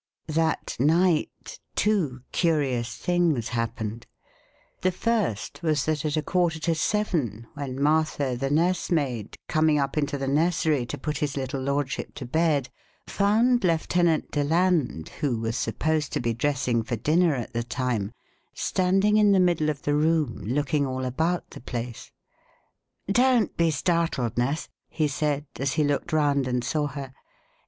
That night two curious things happened: The first was that at a quarter to seven, when Martha, the nursemaid, coming up into the nursery to put his little lordship to bed, found Lieutenant Deland who was supposed to be dressing for dinner at the time standing in the middle of the room looking all about the place. "Don't be startled, Nurse," he said, as he looked round and saw her.